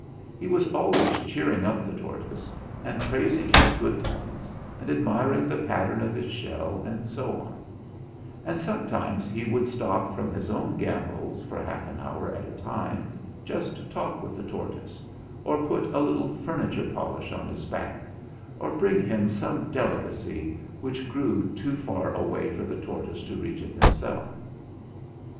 He was always cheering up the tortoise, and 142 THE FLINT HEART praising his good points, and admiring the pattern of his shell, and so on; and sometimes he would stop from his own gambols for half an hour at a time just to talk with the tortoise, or put a little furniture polish on his back, or bring him some delicacy which grew too far away for the tortoise to reach it himself.